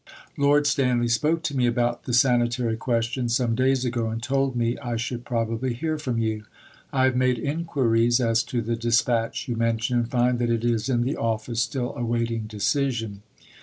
Lord Stanley spoke to me about the sanitary question some days ago, and told me I should probably hear from you. I have made enquiries as to the Despatch you mention, and find that it is in the office still awaiting decision.